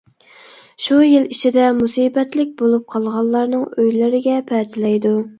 شۇ يىل ئىچىدە مۇسىبەتلىك بولۇپ قالغانلارنىڭ ئۆيلىرىگە پەتىلەيدۇ.